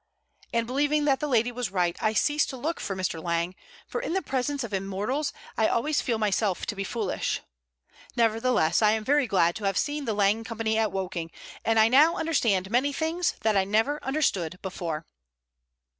And believing that the lady was right, I ceased to look for Mr. Lang, for in the presence of immortals I always feel myself to be foolish. Nevertheless, I am very glad to have seen the Lang Company at Woking, and I now understand many things that I never understood before.